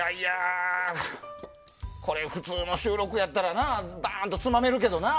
これ、普通の収録やったらバーンとつまめるけどな。